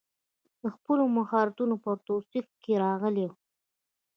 د خپلو مهارتونو پر توصیف کې راغلی و.